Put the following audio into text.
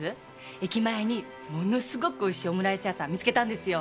駅前にものすごくおいしいオムライス屋さん見つけたんですよ。